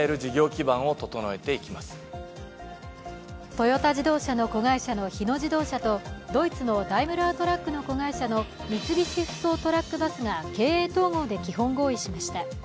トヨタ自動車の子会社の日野自動車とドイツのダイムラートラックの子会社の三菱ふそうトラック・バスが経営統合で基本合意しました。